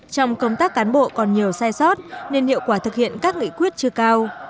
trong công tác cán bộ còn nhiều sai sót nên hiệu quả thực hiện các nghị quyết chưa cao